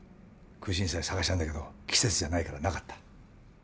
くうしんさい探したんだけど季節じゃないからなかった。